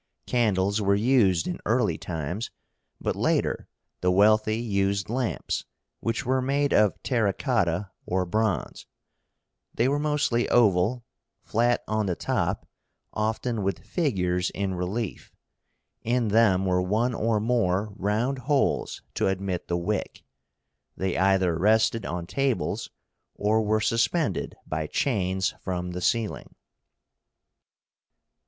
Candles were used in early times, but later the wealthy used lamps, which were made of terra cotta or bronze. They were mostly oval, flat on the top, often with figures in relief. In them were one or more round holes to admit the wick. They either rested on tables, or were suspended by chains from the ceiling.